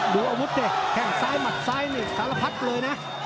ดูอาวุธดิแข้งซ้ายหมัดซ้ายนี่สารพัดเลยนะ